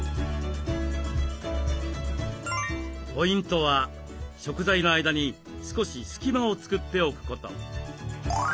ポイントは食材の間に少し隙間をつくっておくこと。